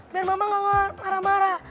biar mama gak marah marah